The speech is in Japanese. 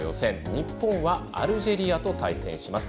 日本はアルジェリアと対戦します。